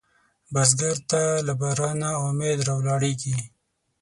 بزګر ته له بارانه امید راولاړېږي